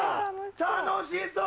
楽しそう！